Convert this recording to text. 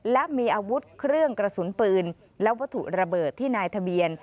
และมีอาวุธเครื่องกระสุนปืนและวัตถุระเบิดที่นายทะเบียน